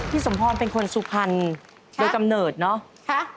สมพรเป็นคนสุพรรณโดยกำเนิดเนอะ